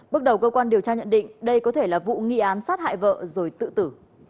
bước đầu cơ quan điều tra nhận định đây có thể là vụ nghi án sát hại vợ rồi tự tử